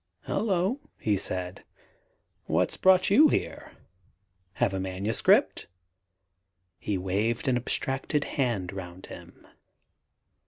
"Hullo!" he said, "what's brought you here? Have a manuscript?" He waved an abstracted hand round him.